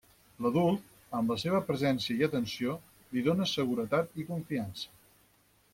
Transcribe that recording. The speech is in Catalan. L'adult, amb la seva presència i atenció, li dóna seguretat i confiança.